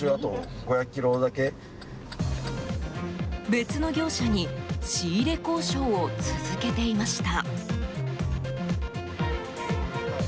別の業者に仕入れ交渉を続けていました。